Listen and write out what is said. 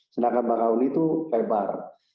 sedangkan bang kahuni itu lebar